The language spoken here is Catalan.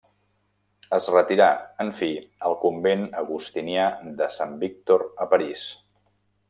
Es retirà, en fi, al convent agustinià de Sant Víctor a París.